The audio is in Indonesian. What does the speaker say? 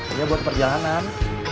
ini buat perjalanan